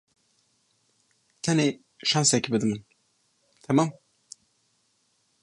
Tenê şensekê bide min, temam?